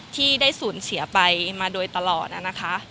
ที่ได้สูญเสียไปมาโดยตลอดนะคะ